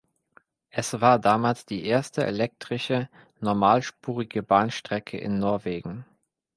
Es war damals die erste elektrische normalspurige Bahnstrecke in Norwegen.